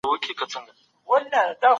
هغه په پټه توګه د اړمنو لاسنيوی کاوه.